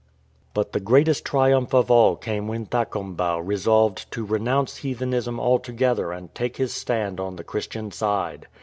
But the greatest triumph of all came when Thakombau resolved to renounce heathenism altogether and take his stand on the Christian side.